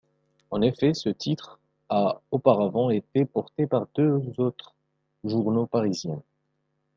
En effet, ce titre a auparavant été porté par deux autres journaux parisiens.